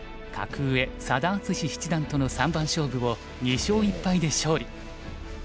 格上佐田篤史七段との三番勝負を２勝１敗で勝利。